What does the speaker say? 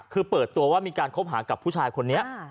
คือเปิดตัวว่ามีการคบหากับผู้ชายคนนี้